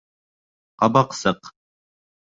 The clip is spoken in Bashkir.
Ҡабаҡсыҡ